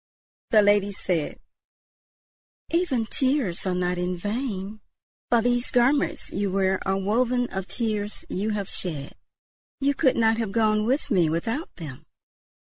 The lady said: "Even tears are not in vain, for these garments you wear are woven of the tears you have shed. You could not have gone with me without them."